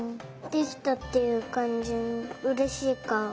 できたっていうかんじのうれしいかお。